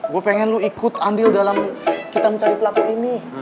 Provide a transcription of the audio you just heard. gue pengen lu ikut andil dalam kita mencari pelaku ini